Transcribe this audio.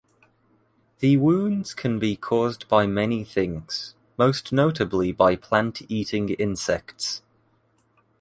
The wounds can be caused by many things, most notably by plant-eating insects.